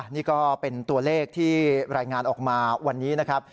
นี่ก็เป็นตัวเลขที่รายงานออกมาวันนี้นะครับ